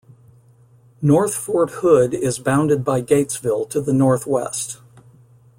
North Fort Hood is bounded by Gatesville to the northwest.